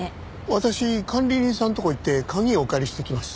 私管理人さんのとこへ行って鍵お借りしてきます。